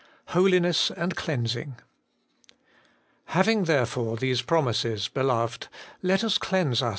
Holiness anli (Cleansing ' Having therefore these promises, beloved, let us cleanse our.